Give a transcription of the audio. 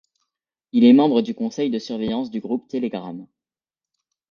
Il est membre du conseil de surveillance du Groupe Télégramme.